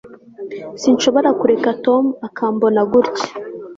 sinshobora kureka tom akambona gutya